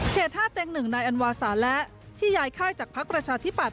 เขต๕๑นายอันวาสาและที่ยายค่ายจากพลักษณ์ประชาธิปาศ